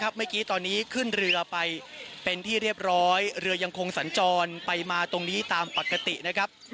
เมื่อกี้ตอนนี้ขึ้นเรือไปเป็นที่เรียบร้อยเรือยังคงสัญจรไปมาตรงนี้ตามปกตินะครับ